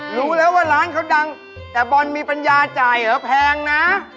รู้แล้วว่าร้านเขาดังแต่บอลมีปัญญาจ่ายเหรอแพงนะ